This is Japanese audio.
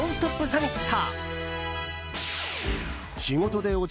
サミット。